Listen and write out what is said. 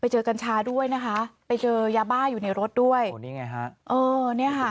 เจอกัญชาด้วยนะคะไปเจอยาบ้าอยู่ในรถด้วยโอ้นี่ไงฮะเออเนี่ยค่ะ